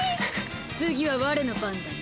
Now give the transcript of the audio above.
次は我の番だな。